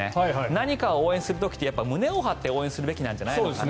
何かを応援する時って胸を張って応援するべきなんじゃないでしょうか。